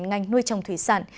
ngành nuôi trồng thủy sản